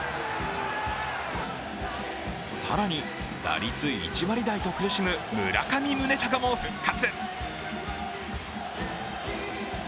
更に、打率１割台と苦しむ村上宗隆も復活。